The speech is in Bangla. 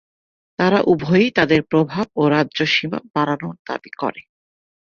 তারা উভয়েই তাদের প্রভাব ও রাজ্য সীমা বাড়ানোর দাবী করে।